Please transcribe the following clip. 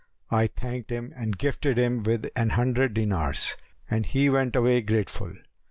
I thanked him and gifted him with an hundred dinars, and he went away grateful.